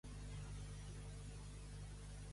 No tenir agafall.